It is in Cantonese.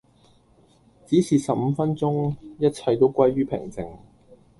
只是十五分鐘一切都歸於平靜